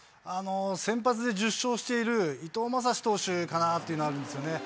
先発で１０勝している伊藤将司投手かなっていうのはあるんですよね。